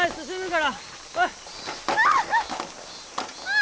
あ！